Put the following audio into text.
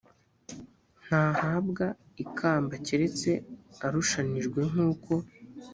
ntahabwa ikamba keretse arushanijwe nk uko